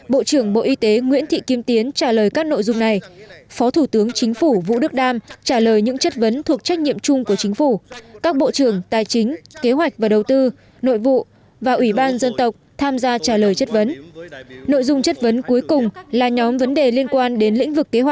bộ trưởng bộ y tế nguyễn thị kim tiến trả lời các nội dung này